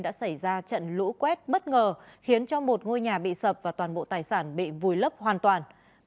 đã xảy ra trận lũ quét bất ngờ khiến cho một ngôi nhà bị sập và toàn bộ tài sản bị vùi lấp hoàn toàn